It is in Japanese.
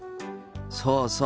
そうそう。